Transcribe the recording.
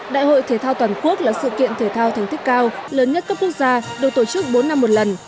đại hội thể thao toàn quốc là sự kiện thể thao thành tích cao lớn nhất cấp quốc gia được tổ chức bốn năm một lần